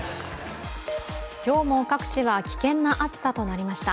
今日も各地は危険な暑さとなりました。